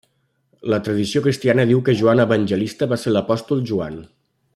La tradició cristiana diu que Joan Evangelista va ser l'apòstol Joan.